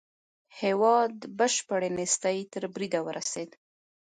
هېواد بشپړې نېستۍ تر بريده ورسېد.